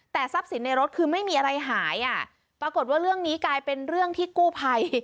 แต่ทรัพย์สินในรถคือไม่มีอะไรหายอ่ะปรากฏว่าเรื่องนี้กลายเป็นเรื่องที่กู้ภัย